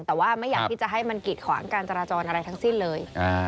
แต่ว่าไม่อยากที่จะให้มันกิดขวางการจราจรอะไรทั้งสิ้นเลย